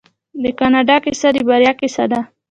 د کاناډا کیسه د بریا کیسه ده.